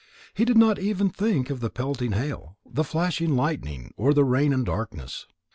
He did not even think of the pelting hail, the flashing lightning, or the rain and darkness.